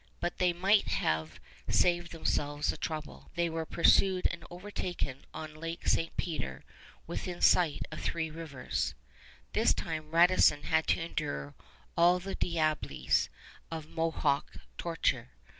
But they might have saved themselves the trouble. They were pursued and overtaken on Lake St. Peter, within sight of Three Rivers. This time Radisson had to endure all the diableries of Mohawk torture.